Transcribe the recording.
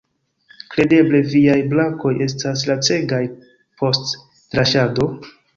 Kredeble viaj brakoj estas lacegaj post draŝado?